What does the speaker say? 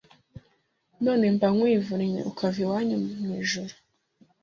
none mba nkwivunnye ukava iwanyu mu ijuru